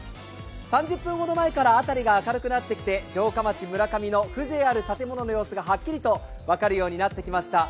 ３０分ほど前から辺りが明るくなってきて、城下町・村上の風情ある建物の様子がはっきりと分かるようになってきました。